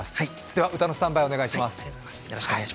では、歌のスタンバイお願いします